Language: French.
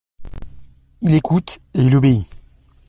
Il écoute et il obéit.